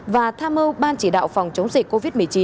và tham mưu ban chỉ đạo phòng chống dịch covid một mươi chín